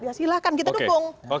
ya silahkan kita dukung